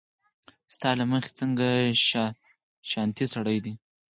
ستا له مخې څنګه شانتې سړی دی